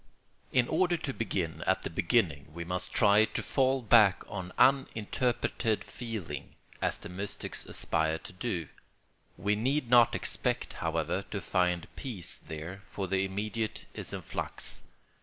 ] In order to begin at the beginning we must try to fall back on uninterpreted feeling, as the mystics aspire to do. We need not expect, however, to find peace there, for the immediate is in flux.